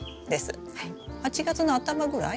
８月の頭ぐらい？